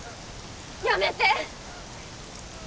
やめて！